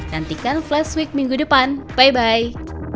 nantikan flashweek minggu depan bye bye